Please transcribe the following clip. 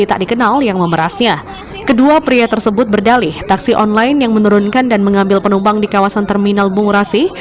video pemerasan yang diunggah di facebook oleh pria tak dikenal dengan dali taksi online yang menurunkan penumpang di terminal bungur asih